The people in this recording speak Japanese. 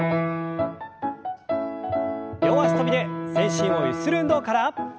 両脚跳びで全身をゆする運動から。